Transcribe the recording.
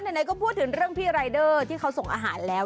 ไหนก็พูดถึงเรื่องพี่รายเดอร์ที่เขาส่งอาหารแล้ว